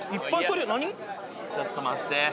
ちょっと待って。